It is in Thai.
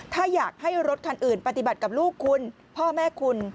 ถ้าอยากให้รถคันอื่นปฏิบัติกับลูกคุณพ่อแม่คุณ